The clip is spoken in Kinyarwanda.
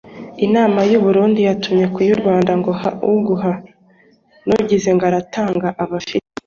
inuma y'i burundi yatumye kuy'i rwanda ngo ha uguha. n'ugize ngo aratanga aba afite